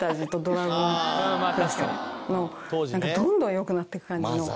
なんかどんどん良くなっていく感じの。